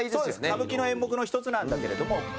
歌舞伎の演目の１つなんだけれども。